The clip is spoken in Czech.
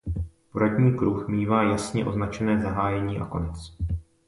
Poradní kruh mívá jasně označené zahájení a konec.